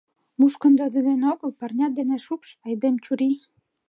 Мушкындо дене огыл — парнят дене шупш, — айдемчурий!